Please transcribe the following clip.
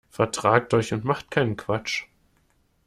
Vertragt euch und macht keinen Quatsch.